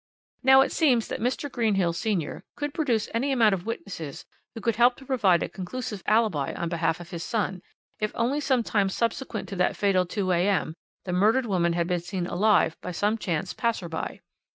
"Now it seems that Mr. Greenhill senior could produce any amount of witnesses who could help to prove a conclusive alibi on behalf of his son, if only some time subsequent to that fatal 2 a.m. the murdered woman had been seen alive by some chance passer by.